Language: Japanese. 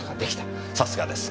さすがです。